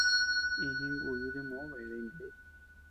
Iña jinguyu dimoʼö beede jiney.